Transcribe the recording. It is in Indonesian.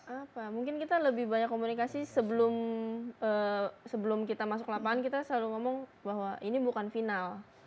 apa mungkin kita lebih banyak komunikasi sebelum kita masuk lapangan kita selalu ngomong bahwa ini bukan final